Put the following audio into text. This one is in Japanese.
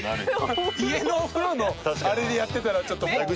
家のお風呂のあれでやってたら。